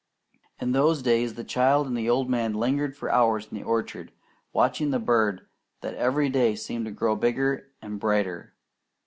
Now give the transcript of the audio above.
In those days the child and the old man lingered for hours in the orchard, watching the bird that every day seemed to grow bigger and brighter.